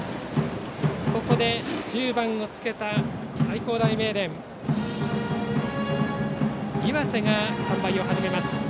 ここで、１０番をつけた愛工大名電の岩瀬がスタンバイを始めます。